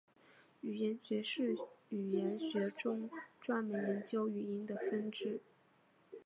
语音学是语言学中专门研究语音的分支。